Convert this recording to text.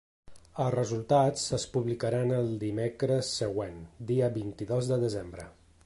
Els resultats es publicaran el dimecres següent, dia vint-i-dos de desembre.